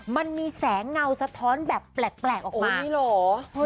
มันมีแสงเงาสะท้อนแบบแปลกออกมานี่เหรอ